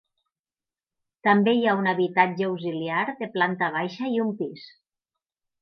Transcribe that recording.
També hi ha un habitatge auxiliar de planta baixa i un pis.